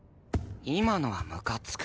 今のはむかつく。